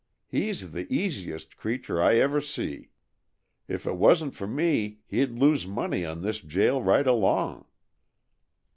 "He's the easiest creature I ever see. If it wasn't for me he'd lose money on this jail right along."